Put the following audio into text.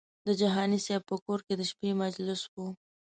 د جهاني صاحب په کور کې د شپې مجلس و.